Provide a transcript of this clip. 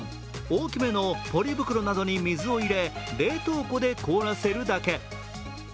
大きめのポリ袋などに水を入れ冷凍庫で凍らせるだけ。